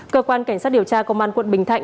cơ quan cảnh sát điều tra công an tp hcm